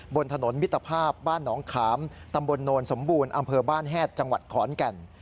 บนถนนมิตรภาพบ้านหนองขามตำบลโนนสมบูรณ์อำเภอบ้านแฮดจังหวัดขอนแก่น